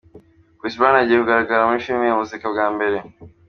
Chris Brown agiye kugaragara muri Film ya muzika bwa mbere.